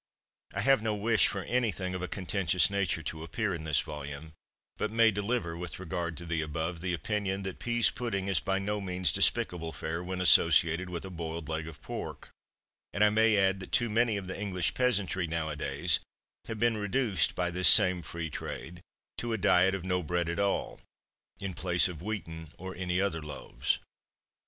I have no wish for anything of a contentious nature to appear in this volume; but may deliver, with regard to the above, the opinion that pease pudding is by no means despicable fare, when associated with a boiled leg of pork; and I may add that too many of the English peasantry, nowadays, have been reduced, by this same Free Trade, to a diet of no bread at all, in place of wheaten, or any other loaves.